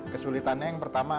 kesulitannya yang pertama